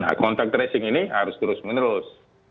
nah kontak tracing ini harus terus menerus